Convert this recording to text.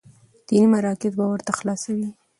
ديني مراکز به ورته خلاصوي،